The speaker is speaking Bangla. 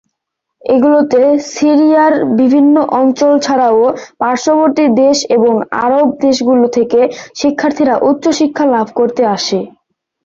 এগুলোতে সিরিয়ার বিভিন্ন অঞ্চল ছাড়াও পার্শ্ববর্তী দেশ এবং আরব দেশগুলো থেকেও শিক্ষার্থীরা উচ্চ শিক্ষা লাভ করতে আসে।